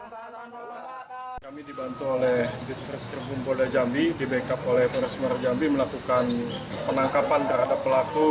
kami dibantu oleh dit reskrim poldajambi di backup oleh polres muarujambi melakukan penangkapan terhadap pelaku